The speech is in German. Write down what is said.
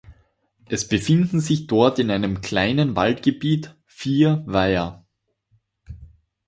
Es befinden sich dort in einem kleinen Waldgebiet vier Weiher.